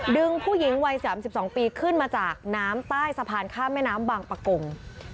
ดึงผู้หญิงวัย๓๒ปีขึ้นมาจากน้ำใต้สะพานข้ามแม่น้ำบางปะกง